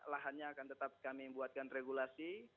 lahannya akan tetap kami buatkan regulasi